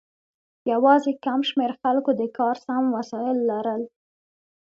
یوازې کم شمیر خلکو د کار سم وسایل لرل.